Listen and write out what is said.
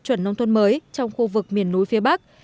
chuẩn nông thôn mới trong khu vực miền núi phía bắc